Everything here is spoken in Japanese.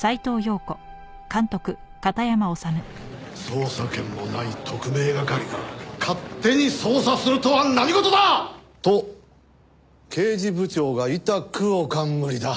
捜査権のない特命係が勝手に捜査するとは何事だ！？と刑事部長がいたくお冠だ。